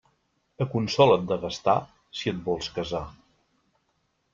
Aconsola't de gastar, si et vols casar.